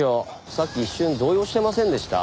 さっき一瞬動揺してませんでした？